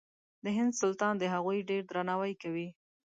د هند سلطان د هغوی ډېر درناوی کوي.